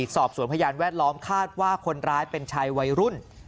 สอบสวนพยานแวดล้อมคาดว่าคนร้ายเป็นชายวัยรุ่น